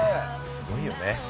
すごいよね。